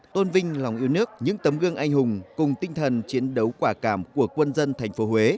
tôn vinh lòng yêu nước những tấm gương anh hùng cùng tinh thần chiến đấu quả cảm của quân dân thành phố huế